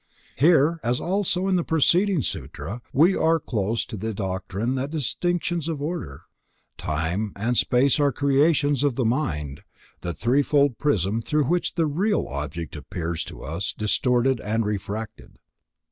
Here, as also in the preceding Sutra, we are close to the doctrine that distinctions of order, time and space are creations of the mind; the threefold prism through which the real object appears to us distorted and refracted.